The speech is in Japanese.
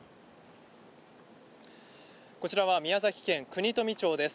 こちらは宮崎県国富町です。